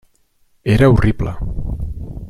Era horrible.